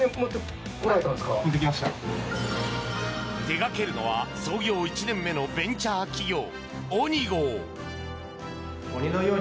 手がけるのは創業１年目のベンチャー企業ＯｎｉＧＯ。